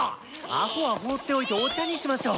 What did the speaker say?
アホは放っておいてお茶にしましょう。